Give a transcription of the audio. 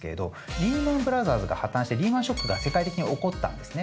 リーマン・ブラザーズが破綻してリーマンショックが世界的に起こったんですね。